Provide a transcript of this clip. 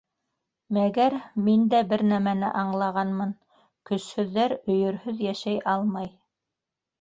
Мәгәр мин дә бер нәмәне аңлағанмын: көсһөҙҙәр өйөрһөҙ йәшәй алмай.